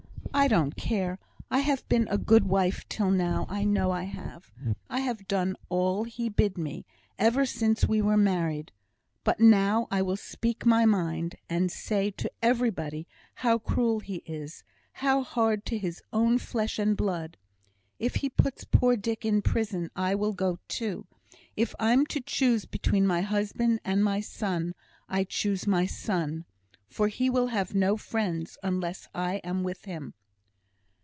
I don't care. I've been a good wife till now. I know I have. I have done all he bid me, ever since we were married. But now I will speak my mind, and say to everybody how cruel he is how hard to his own flesh and blood! If he puts poor Dick in prison, I will go too. If I'm to choose between my husband and my son, I choose my son; for he will have no friends, unless I am with him."